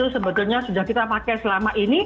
sebetulnya sudah kita pakai selama ini